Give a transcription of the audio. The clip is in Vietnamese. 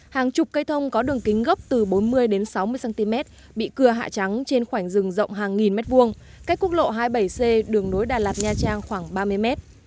hàng chục cây thông có đường kính gốc từ bốn mươi đến sáu mươi cm bị cưa hạ trắng trên khoảnh rừng rộng hàng nghìn mét vuông cách quốc lộ hai mươi bảy c đường nối đà lạt nha trang khoảng ba mươi mét